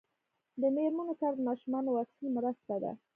د میرمنو کار د ماشومانو واکسین مرسته ده.